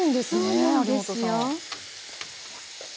そうなんですよ。